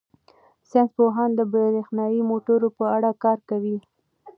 ساینس پوهان د بریښنايي موټرو په اړه کار کوي.